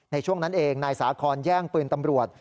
ในช่วงนั้นเองนายสาคอนแย่งปืนตำรวจ